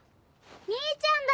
兄ちゃんだ！